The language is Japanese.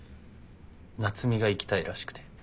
夏海が行きたいらしくて。